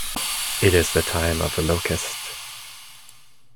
It is the Time of the Locust.